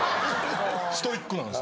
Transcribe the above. ストイックなんです。